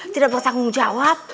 tidak bertanggung jawab